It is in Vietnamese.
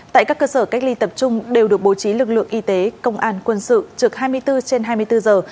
tại các cơ sở cách ly tập trung đều được bố trí lực lượng y tế công an quân sự trực hai mươi bốn trên hai mươi bốn giờ